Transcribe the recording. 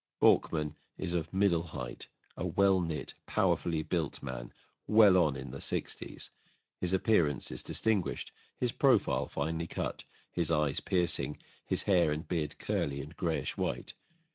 BORKMAN is of middle height, a well knit, powerfully built man, well on in the sixties. His appearance is distinguished, his profile finely cut, his eyes piercing, his hair and beard curly and greyish white.